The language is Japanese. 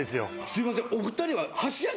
すいませんお二人は。